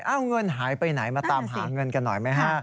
เอาเงินหายไปไหนมาตามหาเงินกันหน่อยไหมฮะ